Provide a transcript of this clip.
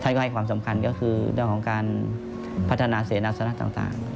ท่านก็ให้ความสำคัญก็คือช่วงของการพัฒนาเสนอสนังต่าง